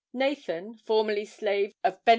Nathan, formerly slave of Benj.